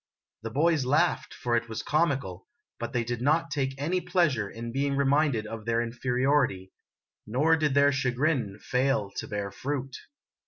The boys laughed, for it was comical, but they did not take any pleasure in being reminded of their inferiority, nor did their chagrin fail to bear fruit.